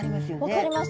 分かります！